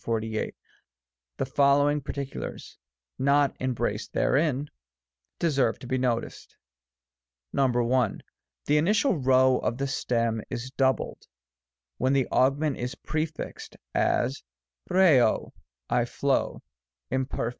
The following particulars, not em braced therein, deserve to be noticed : I. The initial q of the stem is doubled, when the augment is prefixed ; as, qkco^ " I flow," Lnperf.